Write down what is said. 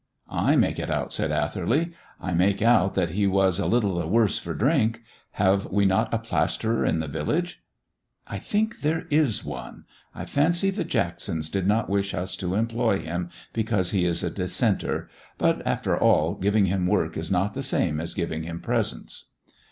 "I make it out," said Atherley; "I make out that he was a little the worse for drink. Have we not a plasterer in the village?" "I think there is one. I fancy the Jacksons did not wish us to employ him, because he is a dissenter; but after all, giving him work is not the same as giving him presents."